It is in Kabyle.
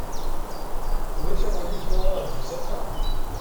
Ulac aɣilif ma uɣaleɣ-d zik ɣer uxxam?